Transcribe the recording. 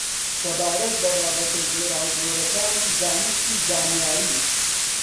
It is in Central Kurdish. سەبارەت بە بابەتە جۆراوجۆرەکانی زانست و زانیاری